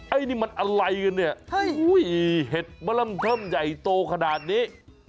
ไอ้นี่มันอะไรกันเนี่ยเห็ดบร่ำเทิมใหญ่โตขนาดนี้